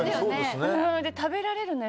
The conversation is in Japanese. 食べられるの？